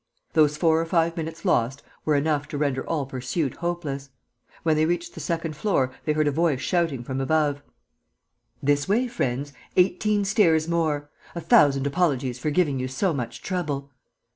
Those four or five minutes lost were enough to render all pursuit hopeless. When they reached the second floor they heard a voice shouting from above: "This way, friends! Eighteen stairs more. A thousand apologies for giving you so much trouble!"